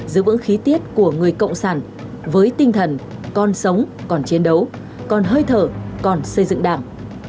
giữ vững khí tiết của người cộng sản với tinh thần con sống còn chiến đấu còn hơi thở còn xây dựng đảng